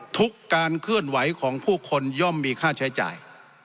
ทุกการเคลื่อนไหวของผู้คนย่อมมีค่าใช้จ่าย